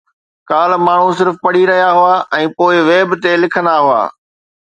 ڪالهه، ماڻهو صرف پڙهي رهيا هئا ۽ پوءِ ويب تي لکندا هئا